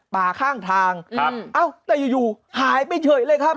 ป่าข้างทางครับอ้าวแต่อยู่หายไปเฉยเลยครับ